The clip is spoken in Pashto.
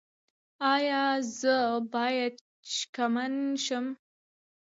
ایا زه باید شکمن شم؟